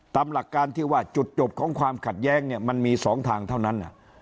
ตามหลักการที่ว่าจุดจบของความขัดแย้งเนี่ยมันมี๒ทางเท่านั้น